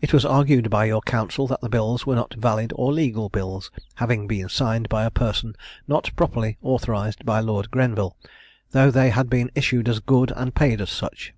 It was argued by your counsel, that the bills were not valid or legal bills, having been signed by a person not properly authorised by Lord Grenville, though they had been issued as good, and paid as such.